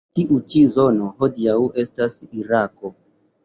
Tiu ĉi zono hodiaŭ estas Irako.